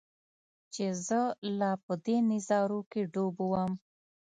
چې زۀ لا پۀ دې نظارو کښې ډوب ووم